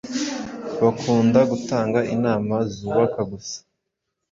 Bakunda gutanga inama zubaka gusa